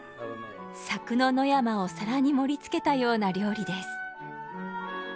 佐久の野山を皿に盛りつけたような料理です。